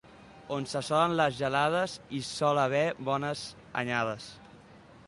On s'assolen les gelades, hi sol haver bones anyades.